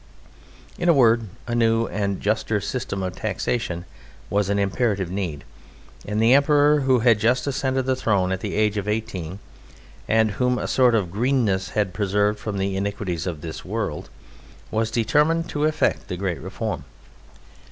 In a word, a new and juster system of taxation was an imperative need, and the Emperor, who had just ascended the throne at the age of eighteen, and whom a sort of greenness had preserved from the iniquities of this world, was determined to effect the great reform.